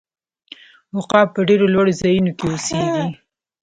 عقاب په ډیرو لوړو ځایونو کې اوسیږي